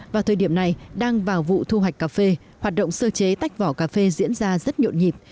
vào thời điểm này đang vào vụ thu hoạch cà phê hoạt động sơ chế tách vỏ cà phê diễn ra rất nhộn nhịp